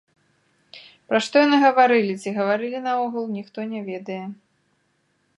Пра што яны гаварылі, ці гаварылі наогул, ніхто не ведае.